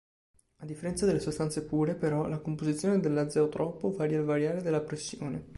A differenza delle sostanze pure, però, la composizione dell'azeotropo varia al variare della pressione.